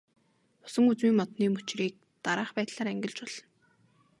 Усан үзмийн модны мөчрийг дараах байдлаар ангилж болно.